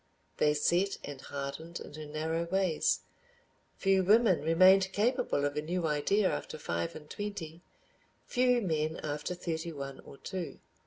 They set and hardened into narrow ways. Few women remained capable of a new idea after five and twenty, few men after thirty one or two.